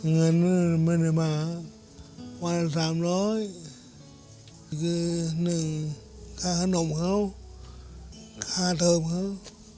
เงินมันมาวันสามร้อยคือหนึ่งค่าขนมเขาค่าเทิมเขา